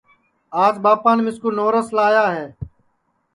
آج ٻاپان مِسکُو نورس لایا ہے